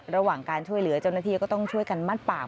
ระหว่างการช่วยเหลือเจ้าหน้าที่ก็ต้องช่วยกันมัดปาก